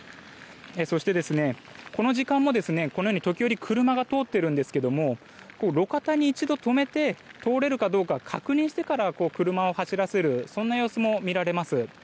そして、この時間もこのように時折、車が通っているんですが路肩に一度、止めて通れるかどうか確認してから車を走らせるそんな様子も見られます。